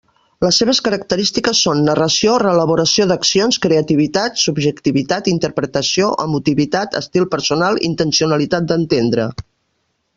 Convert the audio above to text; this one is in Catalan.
Les seves característiques són: narració, reelaboració d'accions, creativitat, subjectivitat, interpretació, emotivitat, estil personal, intencionalitat d'entendre.